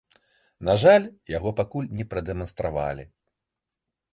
На жаль, яго пакуль не прадэманстравалі.